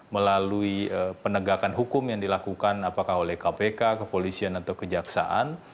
melalui penegakan hukum yang dilakukan apakah oleh kpk kepolisian atau kejaksaan